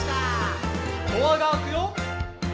「ドアが開くよ」